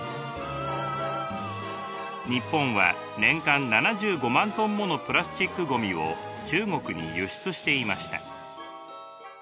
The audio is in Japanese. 日本は年間７５万ｔものプラスチックごみを中国に輸出していました。